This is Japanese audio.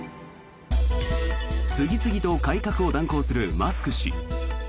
次々と改革を断行するマスク氏。